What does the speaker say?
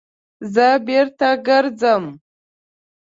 _زه بېرته ګرځم.